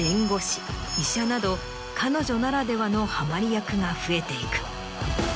彼女ならではのはまり役が増えていく。